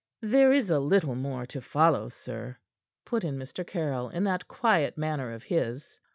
"There is a little more to follow, sir," put in Mr. Caryll, in that quiet manner of his.